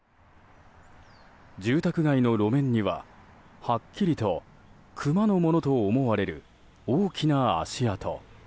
住宅街の路面にははっきりとクマのものと思われる大きな足跡。